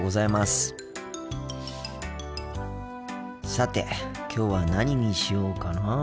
さてきょうは何にしようかなあ。